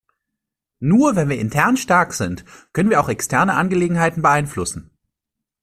Nur wenn wir intern stark sind, können wir auch externe Angelegenheiten beeinflussen.